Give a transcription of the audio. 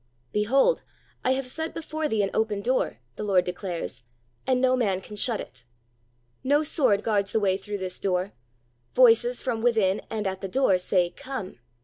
"Behold, I have set before thee an open door," the Lord declares, "and no man can shut it." No sword guards the way through this door. Voices from within and at the door say, Come.